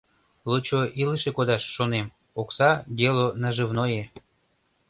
Лучо илыше кодаш, шонем, окса — дело наживное.